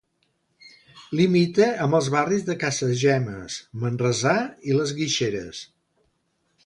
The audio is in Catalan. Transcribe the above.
Limita amb els barris de Casagemes, Manresà i Les Guixeres.